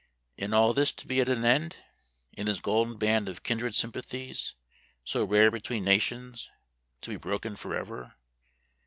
Is all this to be at an end? Is this golden band of kindred sympathies, so rare between nations, to be broken forever?